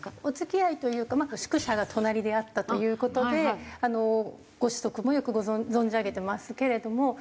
お付き合いというかまあ宿舎が隣であったという事でご子息もよく存じ上げてますけれども。